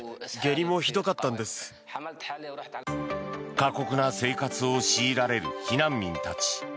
過酷な生活を強いられる避難民たち。